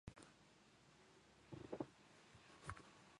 ガラスの内側は真っ暗、明かりは一切ついていない